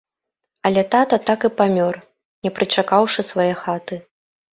Але тата так і памёр, не прычакаўшы свае хаты.